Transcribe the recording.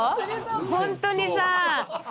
本当にさ。